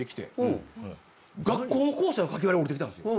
学校の校舎の書き割りが下りてきたんすよ。